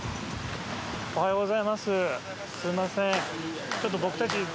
おはようございます。